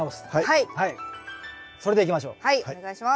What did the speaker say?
はいお願いします。